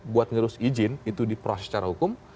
buat ngerus izin itu diproses secara hukum